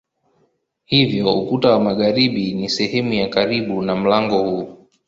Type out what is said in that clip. Hivyo ukuta wa magharibi ni sehemu ya karibu na mlango huu.